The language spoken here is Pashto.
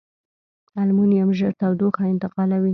المونیم ژر تودوخه انتقالوي.